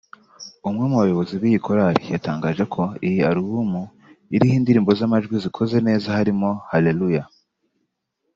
umwe mu bayobozi b’iyi Korali yatangaje ko iyi alubumu iriho indirimbo z’amajwi zikoze neza harimo « Halellua »